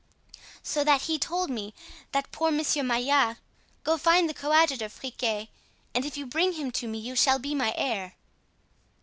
"So that he told me, that poor Monsieur Maillard, 'Go find the coadjutor, Friquet, and if you bring him to me you shall be my heir.